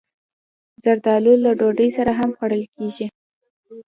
زردالو له ډوډۍ سره هم خوړل کېږي.